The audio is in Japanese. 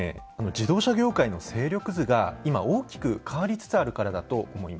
自動車業界の勢力図が今大きく変わりつつあるからだと思います。